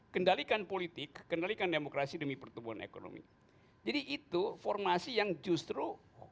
kendalikan politik kendalikan demokrasi demi pertumbuhan ekonomi jadi itu formasi yang justru